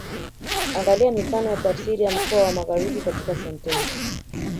Angalia mifano ya tafsiri ya mkoa wa Magharibi katika sentensi